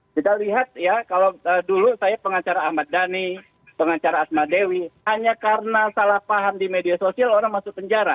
kita lihat ya kalau dulu saya pengacara ahmad dhani pengacara asma dewi hanya karena salah paham di media sosial orang masuk penjara